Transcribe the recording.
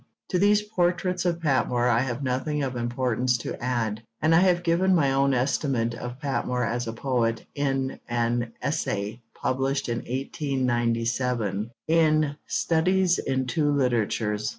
To these portraits of Patmore I have nothing of importance to add; and I have given my own estimate of Patmore as a poet in an essay published in 1897, in Studies in Two Literatures.